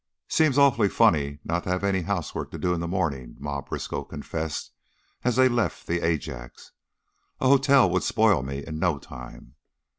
"Seems awful funny not to have any housework to do in the morning," Ma Briskow confessed, as they left the Ajax. "A hotel would spoil me in no time."